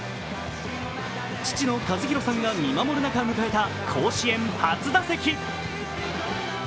父の和博さんが見守る中、迎えた甲子園初打席。